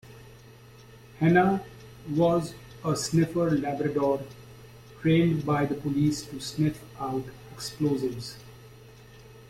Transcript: Heena was a sniffer Labrador trained by the police to sniff out explosives.